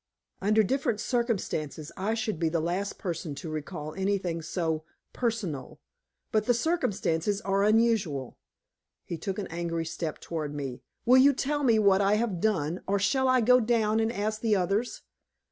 "Under different circumstances I should be the last person to recall anything so personal. But the circumstances are unusual." He took an angry step toward me. "Will you tell me what I have done? Or shall I go down and ask the others?"